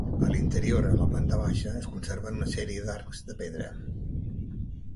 A l'interior, a la planta baixa, es conserven una sèrie d'arcs de pedra.